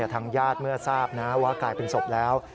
ทางญาติเมื่อทราบนะว่ากลายเป็นศพแล้ว